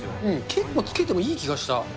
結構つけてもいい気がした。